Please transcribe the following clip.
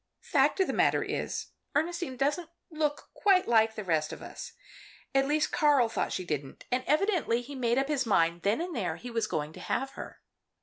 Fact of the matter is, Ernestine doesn't look quite like the rest of us. At least Karl thought she didn't, and evidently he made up his mind then and there he was going to have her.